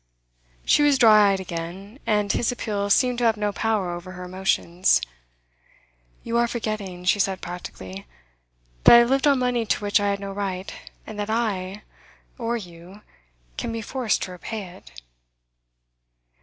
She was dry eyed again, and his appeal seemed to have no power over her emotions. 'You are forgetting,' she said practically, 'that I have lived on money to which I had no right, and that I or you can be forced to repay it.